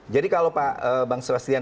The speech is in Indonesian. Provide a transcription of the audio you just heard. jadi kalau pak bang sebastian